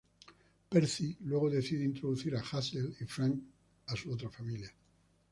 Percy luego decide introducir a Hazel y Frank a su otra familia.